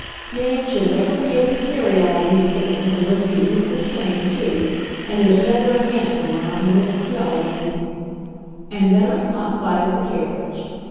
"Nance, you'll never be able to carry all these things and lift your buful train, too. And there's never a hansom round when it's snowing and " And then I caught sight of the carriage.